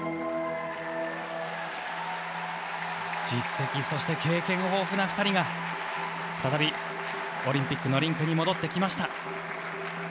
実績そして経験豊富な２人が再び、オリンピックのリンクに戻ってきました。